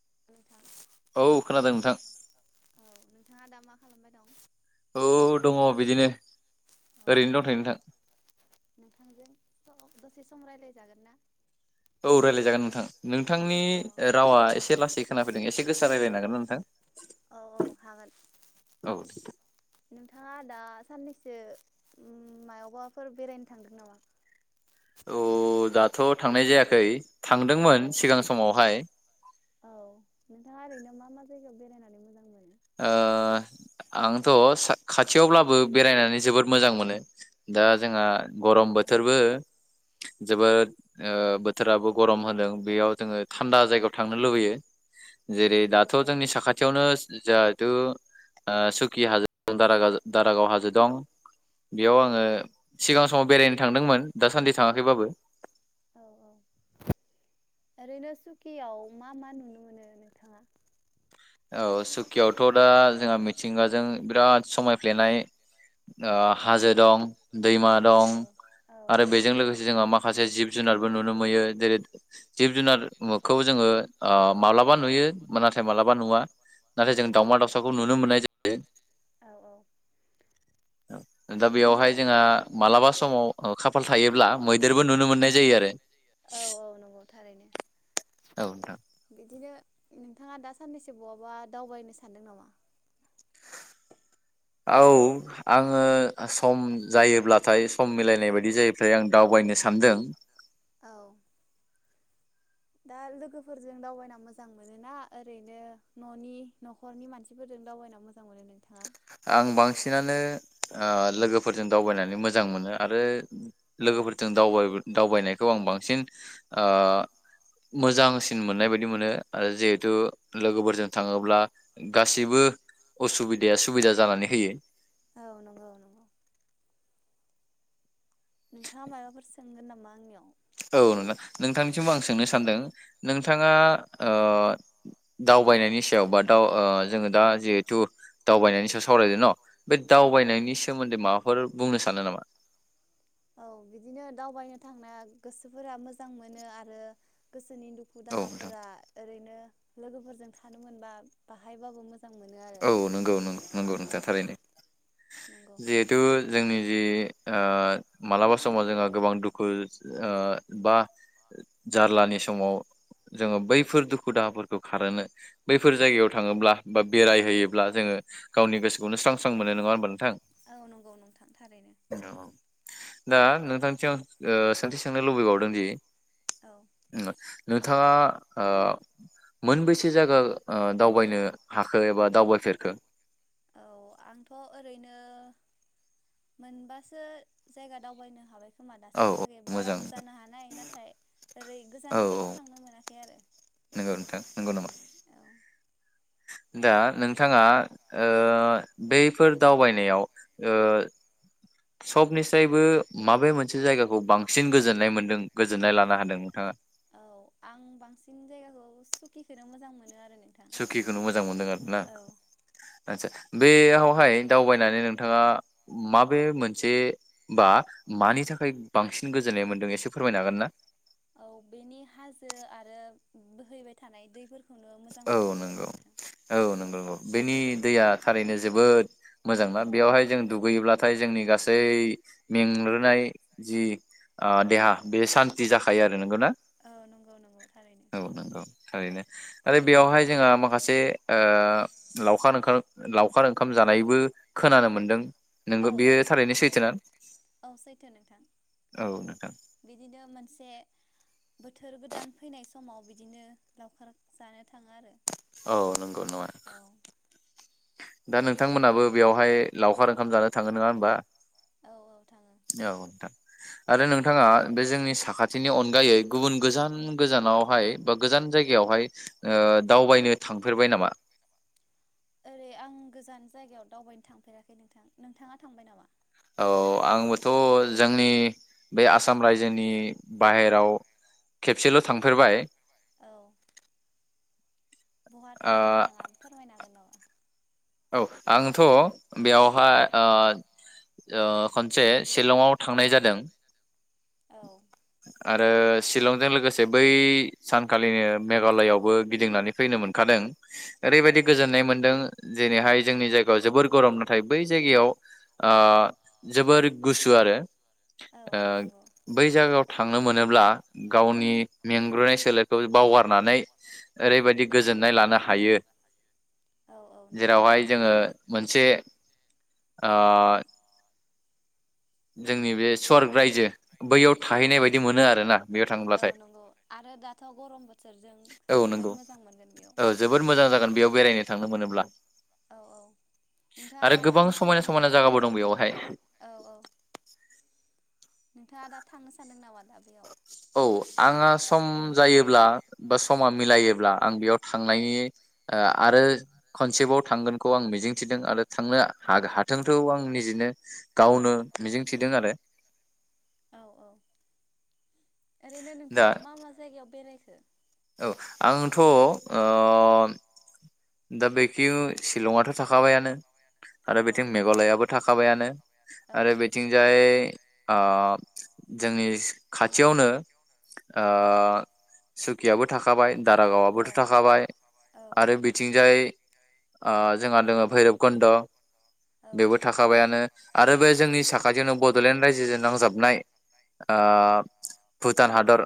[inaudible] औ खोनादों नोंथां औ नोंथाङा दा मा खालामबाय दं औ औ दङ बिदिनो औ ओरैनो दंथ'यो नोंथां नोंथांजों दसे सम रायलाय जागोन ना औ रायजलाय जागोन नोंथां नोंथांनि औ रावा एसे लासै सै खोनाफैदों एसे गोसो रायलबाय हागोन नोंथां औ औ हागोन औ नोंथां नोंथांङा दा साननैसो अम मायावबाफोर बेरायनो थांगोन‌ नामा औ दाथ'थांनाय जायाखै औ थांदोंमोन सिगां समावहाय नोंथांङा ओरैनो मा मा जायगायाव बेरायनानै मोजां मोनो ओ आंथ' सा खाथियावब्लाबो बेरायनानै जोबोद मोजां मोनो दा जोंहा गरम औ बोथोरबो जोबोद ओ औ बोथोराबो गरम [unintelligible] बेयाव जोंङो थानदा जायगायाव थांनो लुगैयो जेरै औ दाथ' औ जोंनि साखाथियावनो जाहेथु ओ सुकि हाजो दारागा दारागाव हाजो दं औ बेयाव आंङो नंगौ सिगां समाव बेरायनो थांदोंमोन दा सान्दि थांङाखै बाबो औ औ ओरैनो सुकियाव मा मा नुनो मोनो नोंथांङा औ सुकियावथ' दा जोंहा मिथिंगाजों बिराद समायफ्लेनाय ओ हाजो दं दैमा दं औ औ आरो बेजों लोगोसे जोंहा माखा माखासे जिब जुनारबो नुनो मोयो जेरै जिब जुनारखौ जोंङो ओ माब्लाबा नुयो नाथाय माला बा नुवा नाथाय जों औ दाावमा नंगौ दाावसाखौ नुनो मोननाय जायो औ औ दा बिदिनो बेवहाय जोंहा मालाबा समाव ओ खाफाल थायोब्ला मैदेरबो नुनो मोननाय जायो आरो औ औ नंगौ थारैनो औ नोंथां बिदिनो नोंथांङा दा साननैसो बहाबा दावबायनो सानदों नामा औ आंङो सम जायोब्लाथाय सम मिलायनाय बायदि जायो थाय आं दावबायनो सानदों औ दा लोगोफोरजों दावबायना मोजां मोनोना ओरैनो न'नि न'खरनि मानसिफोरजों दावबायना मोजां मोनो नोंथांङा आं बांसिनानो ओ लोगोफोरजों दावबायनानै मोजां मोनो आरो औ लोगोफोरजों दावबाय दावबायनायखौ आं बांसिन ओ मोजांसिन मोननाय बायदि मोनो आरो जिहेथु लोगोफोरजों थाङोब्ला गासिबो असुबिदाया सुबिदा जानानै होयो औ नंगौ -नंगौ नोंथाङा मायबाफोर सोंगोन नामा आंनियाव? औ नोंथां। नोंथांनिसिम आं सोंनो सान्दों नोंथाङा ओ दावबायनायनि सायाव बा दाव ओ जोङो दा जिहेथु दावबायनायनि सायाव सावरायदो न बे औ औ दावबायनायनि सोमोन्दै मा फोर बुंनो सानो नामा? औ बिदिनो दावबायनो थांना गोसोफोरा मोजां मोनो आरो गोसो फोरनि दुखु औ नोंथां दाहाफोरा ओरैनो लोगोफोरजों थानो मोनबा बाहायबाबो मोज औ नंगौ नं- नंगौ नोंथाङा थारैनो नंगौ जिहेथु जोंनि जि ओ मालाबा समाव जोंहा गोबां दुखु ओ बा जारलानि समाव जोङो बैफोर दुखु दाहाफोरखौ खारहोनो बैफोर जायगायाव थाङोब्ला बा बेरायहोयोब्ला जोङो गावनि गोसोखौनो स्रां स्रां मोनो नङा होमबा औ नंगौ नोंथां थारैनो। औ दा नोंथांनि सायाव ओ सोंथि सोंनो लुबैबावदों दि औ [unintelligible] नोंथाङा ओ मोनबैसे जायगा ओ दावबायनो हाखो एबा दावबाय फेरखो? औ आंथ' ओरैनो मोनबासो जायगा दावबायनो हाबाय। खोमा औ औ दासिमहालागै मोजां बाराबो जानो हानाय नाथाय ओरै गोजान औ औ गोजानाव थांनो मोनाखै आरो नंगौ नोंथां नंगौ नामा औ। दा नोंथाङा ओ बैफोर दावबायनायाव ओ सबनिसायबो माबे मोनसे जायगाखौ बांसिन गोजोननाय मोनदों गोजोननाय लानो हादों नोंथाङा? औ आं बांसिन जायगाखौ सुखिखोनो मोजां मोनो आरो नोंथां सुकिखौनो मोजां मोनदों आरो ना औ आदसा बेयावहाय दावबायनानै नों थाङा माबे मोनसे बा मानि थाखाय बांसिन गोजोननाय मोन्दों एसे फोरमायनो हागोन ना? औ बेनि हाजो आरो बोहैबाय थानाय दैफोर औ नंगौ औ नंगौ बेनि दैया थारैनो जोबोद मोजां ना समायना बेयावहाय जों औ दुगैयोब्लाथाय जोंनि गासै मेंग्लिनाय जि ओ देहा बे सान्ति जाखायो आरो नंगौ ना औ नंगौ नंगौ थारैनो औ नंगौ थारैनो। आरो बेयावहाय जोंहा माखासे ओ लावखार ओंखार लावखार ओंखाम जानायबो खोनानो मोनदों। नोंगौ औ औ बेयो थारैनो नंगौ सैथोना औ सैथो नोंथां औ नोंथां बिदिनो मोनसे बोथोर गोदान फैनाय समाव बिदिनो लावखार जानो थाङो आरो। औ नंगौ [unintelligible] औ दा नोंथांमोनहाबो बेवहाय लावखार ओंखाम जानो थाङो नोङा होमबा? औ औ थाङो औ नोंथां। आरो नोंथाङा बे जोंनि साखाथिनि अनगायै गुबुन गोजान गोजानावहाय बा गोजान जायगायावहाय ओ दावबायनो थांफेरबाय नामा? ओरै आं गोजान जायगायाव दावबायनो थांफेराखै नोंथां। नोंथाङा थांबाय नामा? औ आंबोथ' जोंनि बे आसाम रायजोनि बाहेराव खेबसेल' थांफेरबाय। औ बहा ओ थांखो नोंथाङा फोरमायनो हागोन नामा? औ आंथ' बेयावहाय ओ ओ खनसे शिलंआव थांनाय जादों। औ आरो शलंजों लोगोसे बै सानखालिनो मेघालआवबो गिदिंनानै फैनो मोनखादों। औ ओरैबायदि नंगौ गोजोननाय नोंथां मोन्दों जेरैहाय जोंनि जायगायाव जोबोर गरम नाथाय बै जायगायाव ओ जोबोर गुसु आरो औ औ नंगौ ओ बै जायगायाव थांनो मोनोब्ला गावनि मेंग्रोनाय सोलेरखौ बावगारनानै ओरैबायदि गोजोननाय लानो हा हायो औ औ नंगौ जेरावहाय जोङो मोनसे अ जोंनि बे स्वर्ग रायजो बैयाव औ थाहैनाय औ बायदि मोनो आरो ना बेयाव औ थाङोब्लाथाय नंगौ आरो दाथ' गरम बोथोरजों औ जोबोद नंगौ मोजां मोनगोन बेयाव औ जोबोद मोजां जागोन बेयाव बेरायनो थांनो मोनोब्ला। औ औ नोंथाङा आरो दा गोबां थांनो समायना सानदों नामा समायना जायगाबो दं बेयावहाय। औ औ नोंथाङा दा थांनो सानदों नामा दा बेयाव। औ आंहा सम जायोब्ला बा समा मिलायोब्ला आं बेयाव थांनायनि आरो खनसेबाव थांगोनखौ आं मिजिंथिदों आरो थांनो हाथोंखौ आं निजेनो गावनो मिजिंथिदों आरो औ औ ओरैनो दा नोंथाङा मा मा जायगायाव बेरायखो [unintelligible] औ आंथ' अ दा बेखि शिलंआथ' थाखाबायानो। औ आरो बेथिं नंगौ मेघालयाबो थाखाबायानो औ आरो बेथिंजाय ओ जोंनि खाथियावनो ओ सुखियाबो थाखाबाय। औ दारागावआबोथ'थाखाबाय औ आरो बिदि जाय जोंहा दोङो भैरब कुन्द'। औ बेबो नंगौ थाखाबायानो आरो बे जोंनि साखाथियावनो बड'लेण्ड रायजोजों नांजाबनाय ओ भुटान हाद दर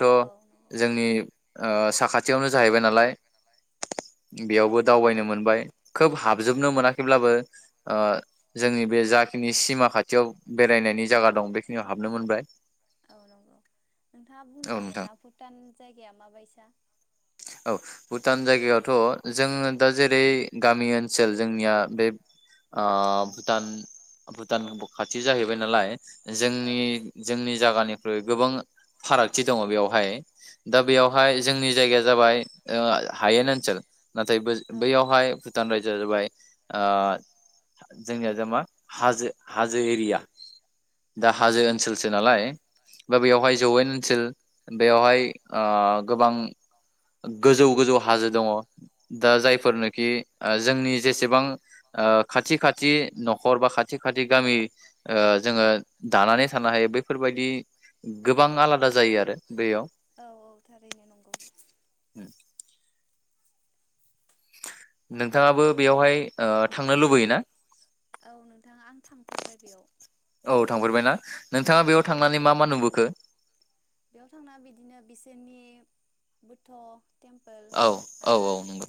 औ औ नंगौ जोंनि ओ साखाथियावनो जाहैबाय नालाय। औ बेयावबो नंगौ दावबायनो थारैनो मोनबाय खोब औ हाबजोबनो मोनाखैब्लाबो ओ जोंनि बे जा बे सिमा खाथियाव बेरायनायनि जायगा दं बेखिनियाव हाबनो मोनबाय औ नोंथां। जाय गायाया माबायसा? औ भुटान जायगायावथ' जोङो दा जेरै गामि ओनसोल जोंनिया बे ओ भुटान भुटान खाथि जाहैबाय नालाय। औ जोंनि जोंनि जागानि ओमफ्राय गोबां फारागथि दङ बेवहाय। दा औ औ बेयावहाय दं जोंनि जायगाया जाबाय ओ हायेन ओनसोल नाथाय बोज औ बैयावहाय भुटान रायजोआ जाबाय ओ जोंनिया जा मा हाजो हाजो एरिया दा औ हाजो नंगौ ओनसोलसो नालाय। बा बेयावहाय जौयेन ओनसोल बेवहाय ओ गोबां गोजौ गोजौ हाजो दङ दा जायफोरनोखि ओ जोंनि जेसेबां ओ खाथि खाथि न'खर बा खाथि खाथि ओ गामि जोङो दानानै थानो हायो बैफोरबायदि गोबां आलादा जायो आरो बेयाव औ थारैनो नंगौ उम। नोंथाङाबो बेयावहाय ओ थांनो लुबैयो ना? औ नोंथाङा आं थांफेरबाय बेयाव। औ थांफेरबायना औ नोंथाङा बेयाव औ थांनानै मा मा नुबोखो? बेयाव थांना बिदिनो बिसोरनि बोथ' औ औ औ नंगौ।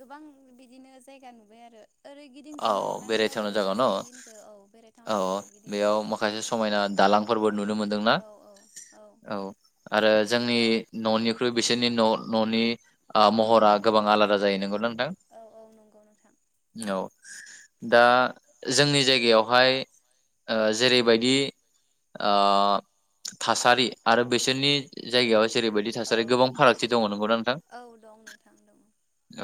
गोबां बिदिनो जायगा नुबाय आरो ओरै औ गिदिंजोबनो औ मोनाखैबाबो बेरायथावना जायगा न ससे औ खिनिखौ औ बेरायथावना औ जायगाखौ गिदिंना बेयाव फैबाय माखासे समायना दालांफोरबो नुनो मोनदोंना औ औ औ आरो जोंनि बेयाव न'निख्रुइ बिसोरनि न' न'नि ओ महरा गोबां आलादा जायो नंगौ ना नों नोंथां औ औ नंगौ नोंथां औ। दा जोंनि जायगायावहाय ओ जेरैबायदि ओ थासारि आरो बिसोरनि जायगायाव जेरैबायदि औ थासारि गोबां फारागथि दङ नंगौना नोंथां औ दं नोंथां दं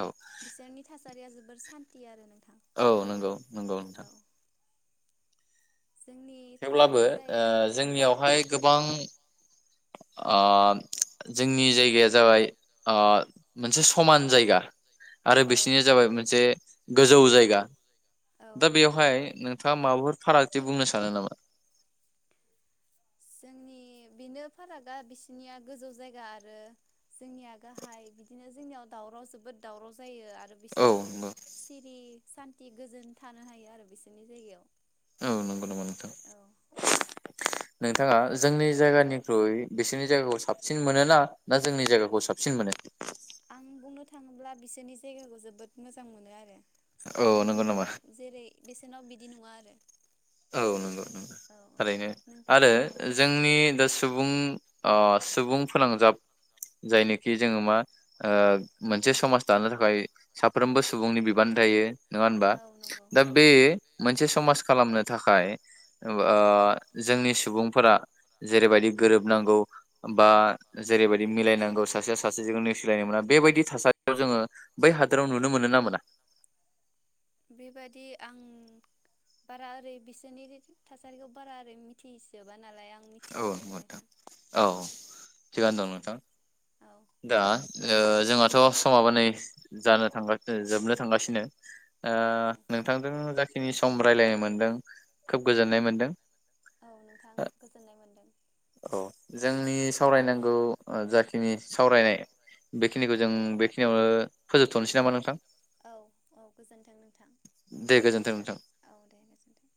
औ बिसोरनि थासारिया जोबोर सान टि आरो नों औ नोंगौ नोंगौ नोंथां। जोंनि थेवब्लाबो थासारिया ओ‌ जाहैबाय बिदिनो औ जोंनियावहाय गोबां ओ जोंनि जायगाया जाबाय ओ मोनसे समान जायगा। आरो औ बिसोरनिया नंगौ जाबाय मोनसे गोजौ जाय गा औ दा बेयावहाय नोंथाङा माबाफोर फारागथि बुंनो सानो नामा? जोंनि बेनो फारागा बिसिनिया गोजौ जायगा आरो जोंनिया गाहाय बिदिनो जोंनियाव दावराव जोबोद दावराव जायो आरो औ बिसोरनिया नंगौ सिरि सान्थि गोजोन थानो हायो आरो बिसोरनि जायगायाव। औ नोंगौ नामा नोंथां? औ बिथाङा जोंनि जायगानिख्रुइ बिसोरनि जायगाखौ साबसिन मोनो ना जोंनि जायगाखौ साबसिन मोनो? आं बुंनो थाङोब्ला बिसोरनि जायगाखौ जोबोद मोजां मोनो आरो औ नंगौ नामा जोंनियाव जेरै बेसेनाव बिदि नङा आरो। औ नंगौ नंगौ औ थारैनो नों आरो जोंनि दा सुबुं अ सुबुं फोनांजाब जायनोखि जोङो मा मोनसे समाज दानो थाखाय साफ्रोमबो सुबुंनि बिबान थायो। नङा होनबा औ नंगौ दा औ बे मोनसे समाज खालामनो थाखाय ओ जोंनि सुबुंफोरा जेरैबायदि गोरोबनांगौ बा जेरैबायदि मिलायनांगौ सासेया सासेजों नेसिलायनो मोना बेबायदि थासारियाव जोङो बै हादोराव नुनो मोनो ना मोना बेबायादि आं बारा ओरै बिसोरनि थासारिखौ बारा ओरै मिथिजोबा नालाय आं औ नोंथां औ थिगानो दं नोथां औ दा ओ जोंहाथ' समाबानै जानो थानो जोबनो थांगासिनो औ ओ नंगौ नोंथांजों जा खिनि सम रायजलायनो मोनदों खोब गोजोननाय मोनदों औ नोंथां गोजोननाय मोनदों औ जोंनि सावरायनांगौ ओ जाखिनि सावरायनाय बेखिनिखौ जों बेखिनियावनो फोजोबथ'नोसै नामा नोंथां औ औ गोजोनथों नोंथां दे गोजोन्थों नोंथां। औ दे गोजोनथों